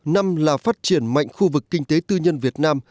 năm là phát triển mạnh khu vực kinh tế tư nhân việt nam